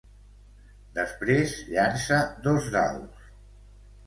Després llança dos daus.